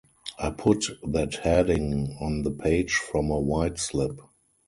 I put that heading on the page from a white slip.